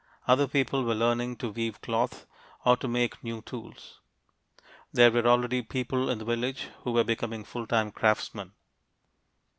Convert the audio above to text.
Other people were learning to weave cloth or to make new tools. There were already people in the village who were becoming full time craftsmen.